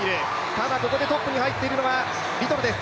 ただ、ここでトップに入っているのはリトルです。